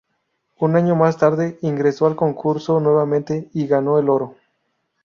Un año más tarde, ingresó al concurso nuevamente y ganó el oro.